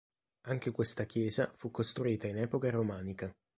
Anche questa chiesa fu costruita in epoca romanica.